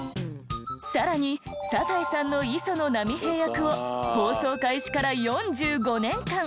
更に『サザエさん』の磯野波平役を放送開始から４５年間。